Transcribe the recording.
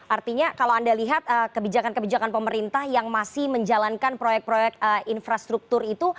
artinya kalau anda lihat kebijakan kebijakan pemerintah yang masih menjalankan proyek proyek infrastruktur itu